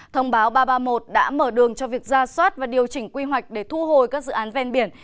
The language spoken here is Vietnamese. thông báo ba trăm ba mươi một đã mở đường cho việc ra soát và điều chỉnh quy hoạch để thu hồi các dự án ven biển